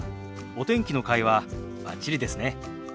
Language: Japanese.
お天気の会話バッチリですね。